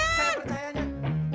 saya percaya nyak